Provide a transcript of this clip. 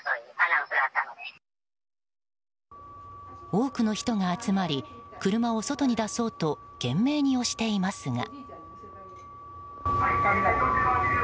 多くの人が集まり車を外に出そうと懸命に押していますが。